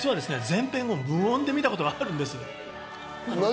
全編を無音で見たことがあるんです。